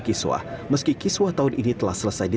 kemudian kiswah dari lidawi